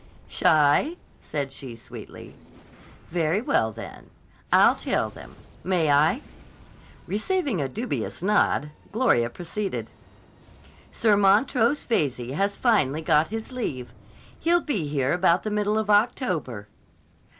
"Shy?" said she, sweetly. "Very well, then. I'll tell them. May I?" Receiving a dubious nod, Gloria proceeded: "Sir Montrose Veyze has finally got his leave. He'll be here about the middle of October."